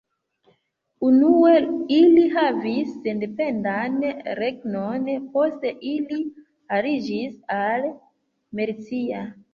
Unue ili havis sendependan regnon: poste ili aliĝis al Mercia.